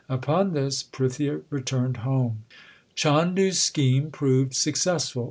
Upon this Prithia returned home. Chandu s scheme proved successful.